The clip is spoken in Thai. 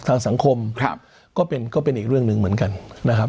ทางสังคมก็เป็นอีกเรื่องนึงเหมือนกันนะครับ